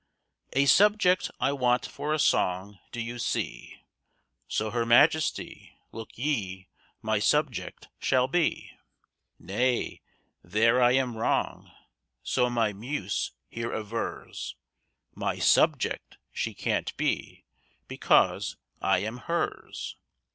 A subject I want for a song, do you see, So Her Majesty, look ye, my subject shall be; Nay, there I am wrong, so my muse here avers, My "subject" she can't be because I am her's!